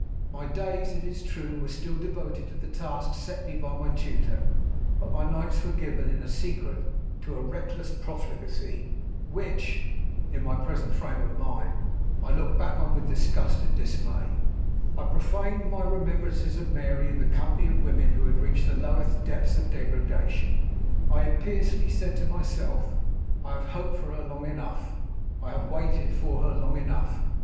My days, it is true, were still devoted to the tasks set me by my tutor; but my nights were given, in secret, to a reckless profligacy, which (in my present frame of mind) I look back on with disgust and dismay. I profaned my remembrances of Mary in the company of women who had reached the lowest depths of degradation. I impiously said to myself: "I have hoped for her long enough; I have waited for her long enough.